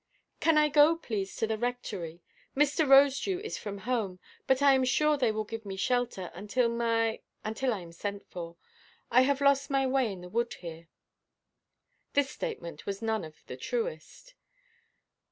"Can I go, please, to the Rectory? Mr. Rosedew is from home; but Iʼm sure they will give me shelter until my—until I am sent for. I have lost my way in the wood here." This statement was none of the truest.